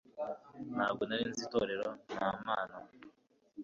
ntabwo nari nzi itorero, nta mana